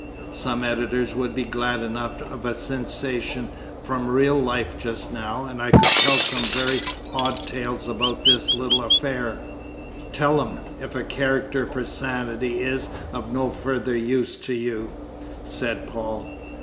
Some editors would be glad enough of a sensation from real life just now, and I could tell some very odd tales about this little affair!" "Tell them, if a character for sanity is of no further use to you," said Paul.